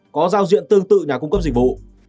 có giao diện tương tự nhà cung cấp dịch vụ